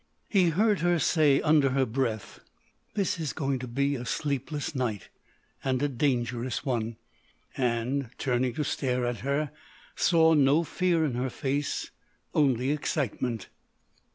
He heard her say under her breath: "This is going to be a sleepless night. And a dangerous one." And, turning to stare at her, saw no fear in her face, only excitement.